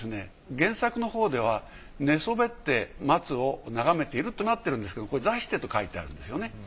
原作のほうでは寝そべって松を眺めているとなってるんですけどこれ坐してと書いてあるんですよね。